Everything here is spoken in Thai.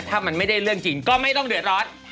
ถ้ามันไม่ได้เรื่องจริงก็ไม่ต้องเดือดร้อน